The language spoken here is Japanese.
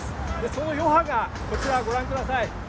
その余波が、こちらご覧ください。